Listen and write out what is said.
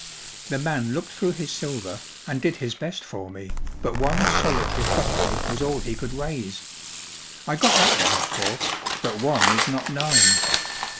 The man looked through his silver and did his best for me, but one solitary three¬ penny was all he could raise. I got that one, of course* but one is not nine.